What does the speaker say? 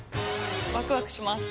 ワクワクします。